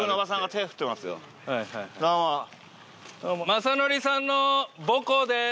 雅紀さんの母校です。